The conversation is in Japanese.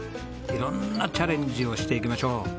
色んなチャレンジをしていきましょう。